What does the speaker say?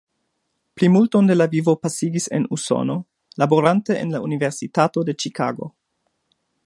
Plimulton de la vivo pasigis en Usono, laborante en la Universitato de Ĉikago.